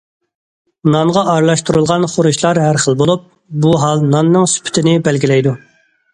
نانغا ئارىلاشتۇرۇلغان خۇرۇچلار ھەر خىل بولۇپ، بۇ ھال ناننىڭ سۈپىتىنى بەلگىلەيدۇ.